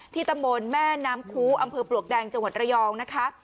ตำบลแม่น้ำคูอำเภอปลวกแดงจังหวัดระยองนะคะ